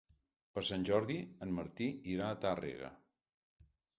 Per Sant Jordi en Martí irà a Tàrrega.